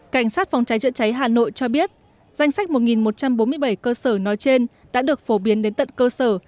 cảnh sát phòng cháy chữa cháy hà nội cho biết danh sách một một trăm bốn mươi bảy cơ sở nói trên đã được phổ biến đến tận cơ sở